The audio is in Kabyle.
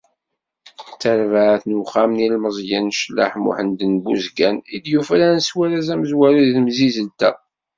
D tarbaɛt n uxxam n yilemẓiyen Cellaḥ Muḥend n Buzgan, i d-yufraren s warraz amezwaru deg temsizzelt-a.